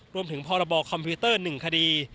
รวมถึงพรคมพิวเตอร์๑คดี